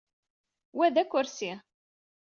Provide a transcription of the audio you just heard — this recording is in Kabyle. Wa d akersi.